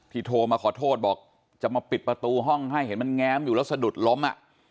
โทรมาขอโทษบอกจะมาปิดประตูห้องให้เห็นมันแง้มอยู่แล้วสะดุดล้ม